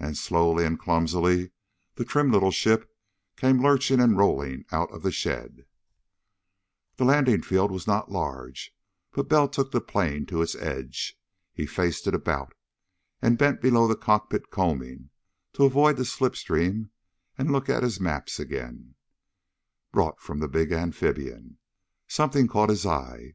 And slowly and clumsily the trim little ship came lurching and rolling out of the shed. The landing field was not large, but Bell took the plane to its edge. He faced it about, and bent below the cockpit combing to avoid the slip stream and look at his maps again, brought from the big amphibian. Something caught his eye.